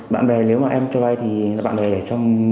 bạn bè nếu mà em cho vai thì bạn bè để trong